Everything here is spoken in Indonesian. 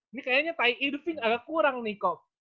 ini kayaknya tai irving agak kurang nih kok